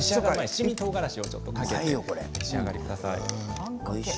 七味とうがらしをかけて召し上がってください。